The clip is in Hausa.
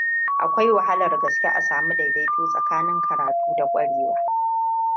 Akwai wahalar gaske a sami daidaito tsakanin karatu da ƙwarewa.